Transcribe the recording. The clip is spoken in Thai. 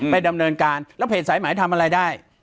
ไปดำเนินการแล้วเพจสายหมายทำอะไรได้